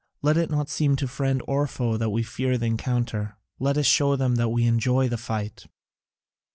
Let it not seem to friend or foe that we fear the encounter: let us show them that we enjoy the fight."